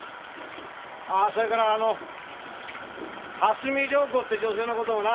あぁそれからあの蓮見遼子って女性の事もな。